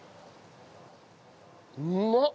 うまっ！